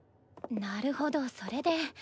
なるほどそれで。